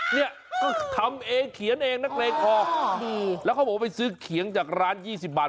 เนี่ยก็ทำเองเขียนเองนักเลงคอแล้วเขาบอกว่าไปซื้อเขียงจากร้าน๒๐บาท